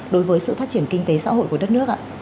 đối với sự phát triển kinh tế xã hội của đất nước ạ